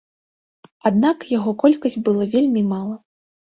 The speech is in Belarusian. Аднак яго колькасць было вельмі мала.